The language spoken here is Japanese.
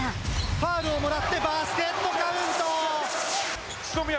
ファウルをもらってバスケットカウント。